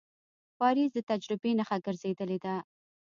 پاریس د تجربې نښه ګرځېدلې ده.